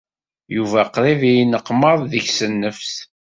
Yuba qrib ay yenneqmaḍ deg-s nnefs.